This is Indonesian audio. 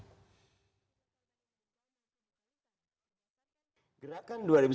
terima kasih pak muldoko